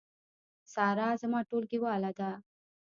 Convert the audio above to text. سارا زما ټولګیواله ده